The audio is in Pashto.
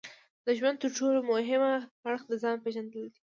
د ژوند ترټولو مهم اړخ د ځان پېژندل دي.